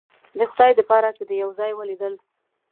د خدای د پاره که دې یو ځای ولیدل